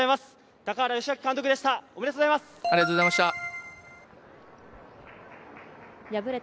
高原良明監督でした。